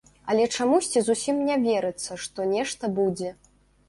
Але чамусьці зусім не верыцца, што нешта будзе.